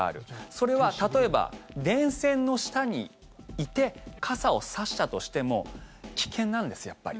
それは例えば電線の下にいて傘を差したとしても危険なんです、やっぱり。